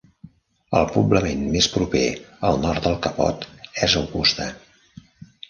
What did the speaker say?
El poblament més proper, al nord del capot, és Augusta.